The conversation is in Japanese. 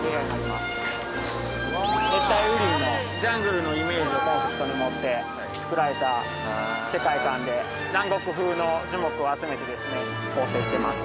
熱帯雨林のジャングルのイメージをコンセプトに持って作られた世界観で南国風の樹木を集めてですね構成してます。